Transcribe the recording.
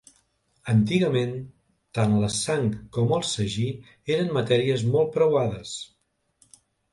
Antigament, tant la sang com el sagí eren matèries molt preuades.